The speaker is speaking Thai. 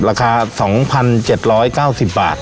ราคา๒๗๙๐บาท